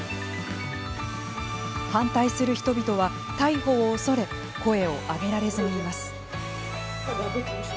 反対する人々は、逮捕を恐れ声を上げられずにいます。